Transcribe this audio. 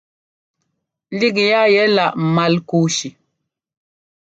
Lík yaa yɛ láʼ Malkúshi.